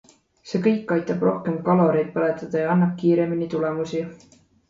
See kõik aitab rohkem kaloreid põletada ja annab kiiremini tulemusi.